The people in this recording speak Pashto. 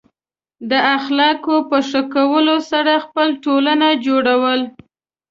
د اخلاقو په ښه کولو سره خپل ټولنه جوړول.